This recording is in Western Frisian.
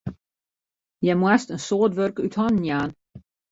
Hja moast in soad wurk út hannen jaan.